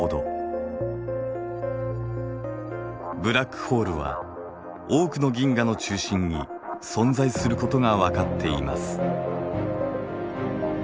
ブラックホールは多くの銀河の中心に存在することがわかっています。